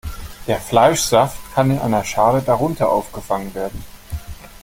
Der Fleischsaft kann in einer Schale darunter aufgefangen werden.